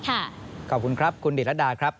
ขอบคุณครับคุณดิรดาครับ